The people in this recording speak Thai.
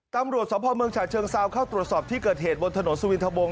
ตำรวจสมภาพเมืองฉะเชิงเซาเข้าตรวจสอบที่เกิดเหตุบนถนนสุวินทะวง